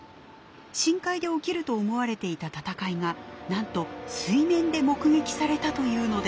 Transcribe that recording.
深海で起きると思われていた闘いがなんと水面で目撃されたというのです。